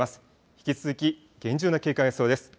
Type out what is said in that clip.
引き続き厳重な警戒必要です。